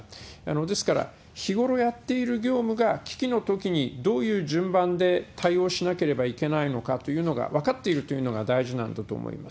ですから、日頃やっている業務が、危機のときにどういう順番で対応しなければいけないのかというのが分かっているというのが大事なんだと思います。